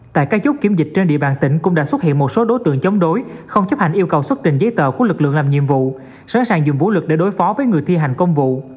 tại các chốt kiểm dịch trên địa bàn tỉnh cũng đã xuất hiện một số đối tượng chống đối không chấp hành yêu cầu xuất trình giấy tờ của lực lượng làm nhiệm vụ sẵn sàng dùng vũ lực để đối phó với người thi hành công vụ